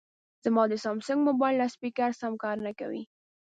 زما د سامسنګ مبایل لاسپیکر سم کار نه کوي